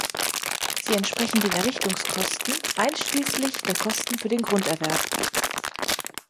Sie entsprechen den Errichtungskosten, einschließlich der Kosten für den Grunderwerb.